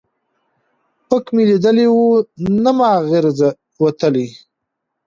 ـ پک مې ليدلى وو، نه معاغزه وتلى.